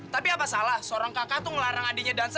tapi apa salah seorang kakak itu ngelarang adiknya dansa